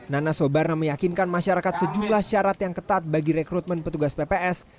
nana sobarna meyakinkan masyarakat sejumlah syarat yang ketat bagi rekrutmen petugas pps